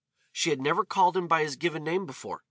She had never called him by his given name before.